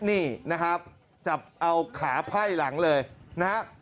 นี่นะครับจับเอาขาไพ่หลังเลยนะฮะ